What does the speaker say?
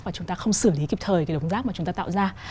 và chúng ta không xử lý kịp thời cái đống rác mà chúng ta tạo ra